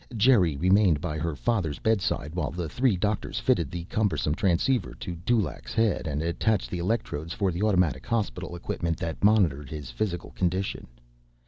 Geri remained by her father's bedside while the three doctors fitted the cumbersome transceiver to Dulaq's head and attached the electrodes for the automatic hospital equipment that monitored his physical condition.